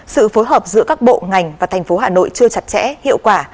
sự phối hợp giữa các bộ ngành và thành phố hà nội chưa chặt chẽ hiệu quả